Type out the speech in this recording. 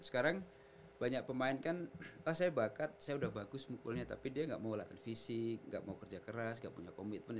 sekarang banyak pemain kan ah saya bakat saya udah bagus mukulnya tapi dia nggak mau latihan fisik gak mau kerja keras gak punya komitmen